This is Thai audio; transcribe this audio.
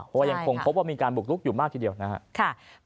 เพราะว่ายังคงพบว่ามีการบุกลุกอยู่มากทีเดียวนะครับ